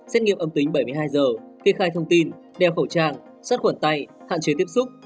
xét nghiệm âm tính bảy mươi hai giờ kê khai thông tin đeo khẩu trang sắt khuẩn tay hạn chế tiếp xúc